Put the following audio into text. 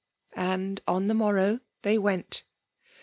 And on the morrow they went.